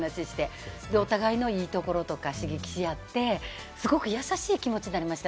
お互いのいいところとか刺激し合って、すごく優しい気持ちになりました。